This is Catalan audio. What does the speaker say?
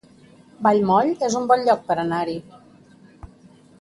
Vallmoll es un bon lloc per anar-hi